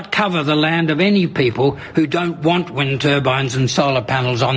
saya telah menghabiskan banyak waktu di barat queensland